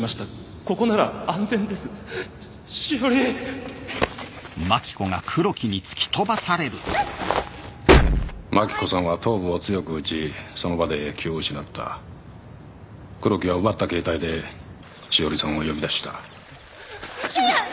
ここなら安全です栞あっ真紀子さんは頭部を強く打ちその場で気を失った黒木は奪った携帯で栞さんを呼び出したイヤッ！